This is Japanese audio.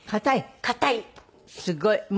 すごい。